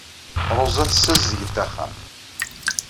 Ṛuza tessazdeg-d axxam.